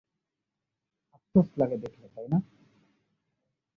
আফসোস লাগে দেখলে, তাই না?